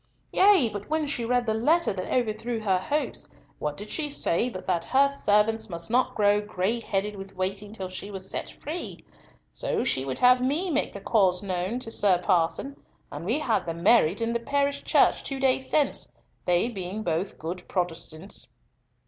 "Yea; but when she read the letter that overthrew her hopes, what did she say but that 'her servants must not grow gray headed with waiting till she was set free'! So she would have me make the case known to Sir Parson, and we had them married in the parish church two days since, they being both good Protestants."